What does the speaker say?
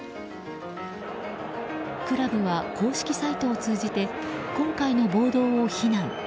クラブは公式サイトを通じて今回の暴動を非難。